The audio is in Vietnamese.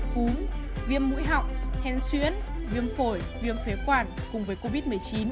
cúm viêm mũi họng hèn xuyến viêm phổi viêm phế quản cùng với covid một mươi chín